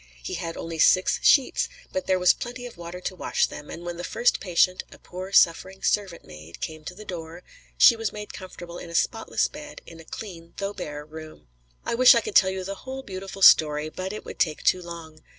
He had only six sheets, but there was plenty of water to wash them, and when the first patient, a poor suffering servant maid, came to the door, she was made comfortable in a spotless bed, in a clean though bare room. I wish I could tell you the whole beautiful story, but it would take too long.